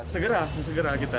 segera segera kita